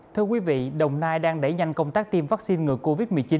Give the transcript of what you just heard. thưa quý vị đồng nai đang đẩy nhanh công tác tiêm vaccine ngừa covid một mươi chín